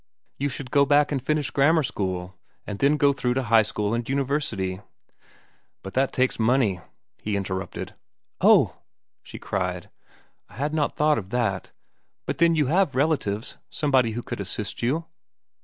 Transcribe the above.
You should go back and finish grammar school, and then go through to high school and university." "But that takes money," he interrupted. "Oh!" she cried. "I had not thought of that. But then you have relatives, somebody who could assist you?"